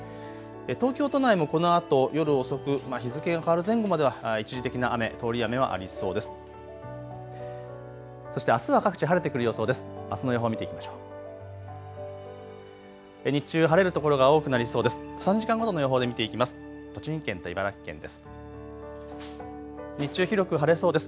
東京都内もこのあと夜遅く日付が変わる前後までは一時的な雨、通り雨はありそうです。